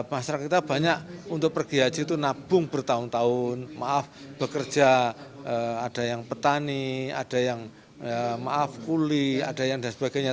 masyarakat kita banyak untuk pergi haji itu nabung bertahun tahun maaf bekerja ada yang petani ada yang maaf kuli ada yang dan sebagainya